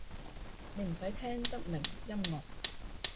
你唔使聽得明音樂